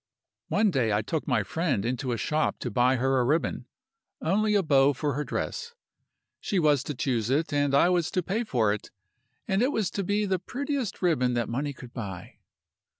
"One day I took my friend into a shop to buy her a ribbon only a bow for her dress. She was to choose it, and I was to pay for it, and it was to be the prettiest ribbon that money could buy.